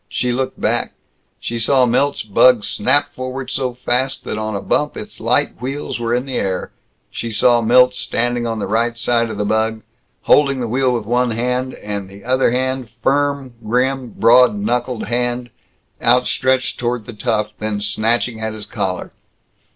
She looked back. She saw Milt's bug snap forward so fast that on a bump its light wheels were in the air. She saw Milt standing on the right side of the bug holding the wheel with one hand, and the other hand firm, grim, broad knuckled hand outstretched toward the tough, then snatching at his collar.